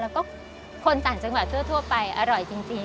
แล้วก็คนต่างจังหวัดทั่วไปอร่อยจริง